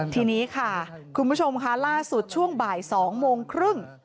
ทีนี้ค่ะคุณผู้ชมค่ะล่าสุดช่วงบ่าย๒โมงครึ่ง